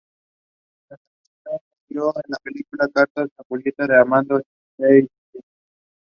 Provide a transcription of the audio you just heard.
She was buried in the city.